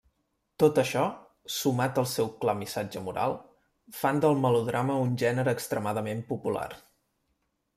Tot això, sumat al seu clar missatge moral, fan del melodrama un gènere extremadament popular.